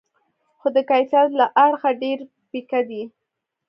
خو د کیفیت له اړخه ډېر پیکه دي.